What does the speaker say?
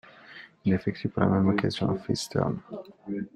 Il effectue par la même occasion un Face Turn.